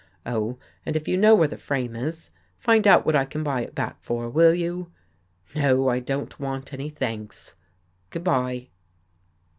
Oh, and if you know where the frame is, find out what I can buy it back for, will you? No, I don't want any thanks. Good by!